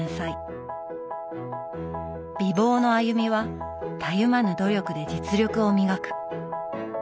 美貌の亜弓はたゆまぬ努力で実力を磨く。